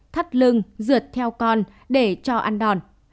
thắt lưng rượt theo con để cho ăn đòn